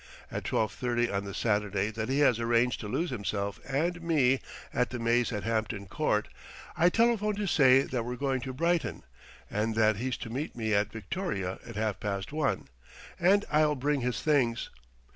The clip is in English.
At twelve thirty on the Saturday that he has arranged to lose himself and me at the maze at Hampton Court, I telephone to say that we're going to Brighton, and that he's to meet me at Victoria at half past one, and I'll bring his things.